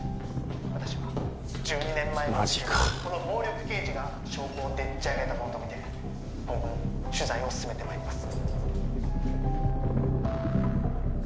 私は１２年前のマジかこの暴力刑事が証拠をでっちあげたものとみて今後も取材を進めてまいります